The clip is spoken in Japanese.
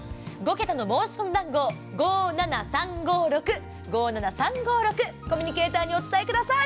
５桁の申し込み番号５７３５６５７３５６、コミュニケーターにお伝えください。